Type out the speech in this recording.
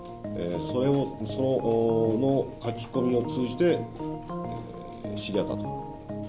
それを、その書き込みを通じて、知り合ったと。